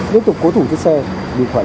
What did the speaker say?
tiếp tục cố thủ trên xe điện thoại